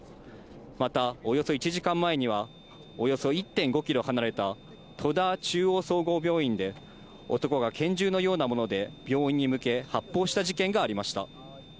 またおよそ１時間前には、およそ１．５キロ離れた戸田中央総合病院で、男が拳銃のようなもので病院に向け発砲した事件がありました。